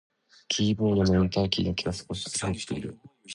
キーボードのエンターキーだけが少しすり減っている。